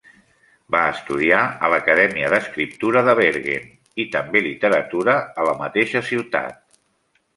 Va estudiar a l'Acadèmia d'Escriptura de Bergen i també literatura a la mateixa ciutat.